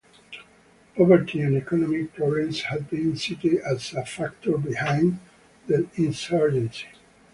Poverty and economic problems have been cited as a factor behind the insurgency.